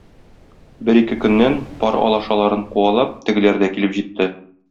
Бер-ике көннән, пар алашаларын куалап, тегеләр дә килеп җитте.